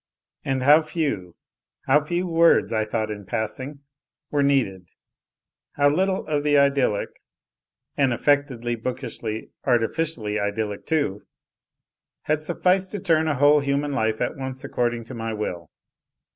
And how few, how few words, I thought, in passing, were needed; how little of the idyllic (and affectedly, bookishly, artificially idyllic too) had sufficed to turn a whole human life at once according to my will.